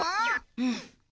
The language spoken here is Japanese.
うん。